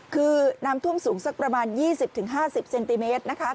คือน้ำท่วมสูงสักประมาณ๒๐๕๐เซนติเมตรนะคะ